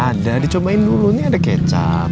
ada dicobain dulu ini ada kecap